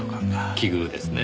奇遇ですねぇ。